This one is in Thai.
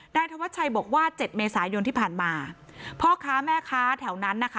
ธวัชชัยบอกว่าเจ็ดเมษายนที่ผ่านมาพ่อค้าแม่ค้าแถวนั้นนะคะ